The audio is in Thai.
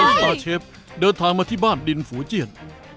สตาร์เชฟเดินทางมาที่บ้านดินฝูเจียน